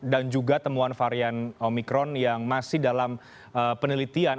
dan juga temuan varian omikron yang masih dalam penelitian